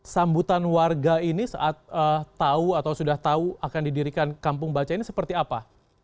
sambutan warga ini saat tahu atau sudah tahu akan didirikan kampung baca ini seperti apa